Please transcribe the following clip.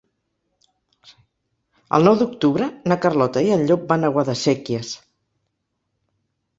El nou d'octubre na Carlota i en Llop van a Guadasséquies.